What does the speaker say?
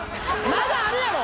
まだあるやろ。